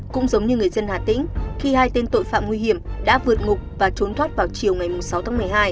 cũng giống như người dân hà tĩnh khi hai tên tội phạm nguy hiểm đã vượt ngục và trốn thoát vào chiều ngày sáu tháng một mươi hai